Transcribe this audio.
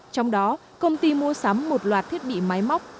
trong đó công ty mua sắm một loạt thiết bị máy móc